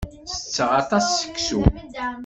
Tetteɣ aṭas seksu.